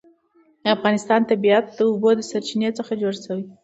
د افغانستان طبیعت له د اوبو سرچینې څخه جوړ شوی دی.